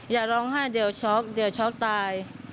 อย่าร้องไห้เดี๋ยวช็อกเดี๋ยวช็อกตาย